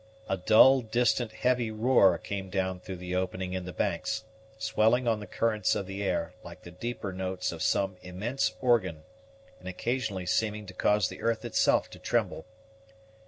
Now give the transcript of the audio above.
A dull, distant, heavy roar came down through the opening in the banks, swelling on the currents of the air, like the deeper notes of some immense organ, and occasionally seeming to cause the earth itself to tremble.